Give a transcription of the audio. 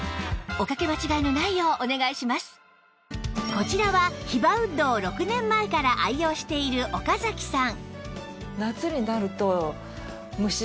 こちらはヒバウッドを６年前から愛用している岡崎さん